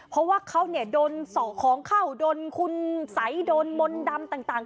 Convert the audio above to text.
เพราะว่าเขาโดนสอของเข้าโดนคุณสัยโดนมนต์ดำต่าง